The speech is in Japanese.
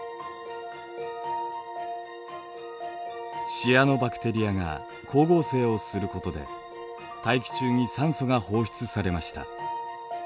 シアノバクテリアが光合成をすることで大気中に酸素が放出されました。